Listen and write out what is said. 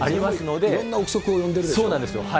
いろんな臆測を呼んでるんですよ。